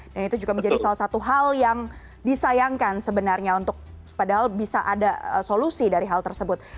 dan itu juga menjadi salah satu hal yang disayangkan sebenarnya untuk padahal bisa ada solusi dari hal tersebut